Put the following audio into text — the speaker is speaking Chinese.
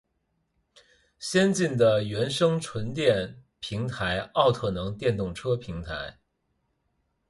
先进的原生纯电平台奥特能电动车平台